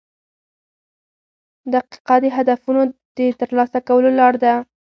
• دقیقه د هدفونو د ترلاسه کولو لار ده.